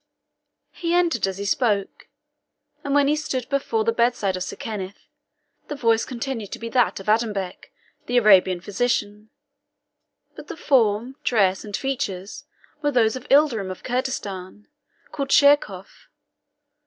He entered as he spoke; and when he stood before the bedside of Sir Kenneth, the voice continued to be that of Adonbec, the Arabian physician, but the form, dress, and features were those of Ilderim of Kurdistan, called Sheerkohf.